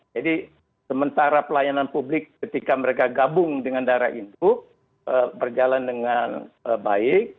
jadi sementara pelayanan publik ketika mereka gabung dengan daerah itu berjalan dengan baik